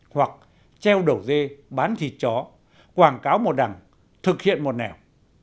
hoặc treo đầu dê bán thịt chó quảng cáo một đằng thực hiện một nẻo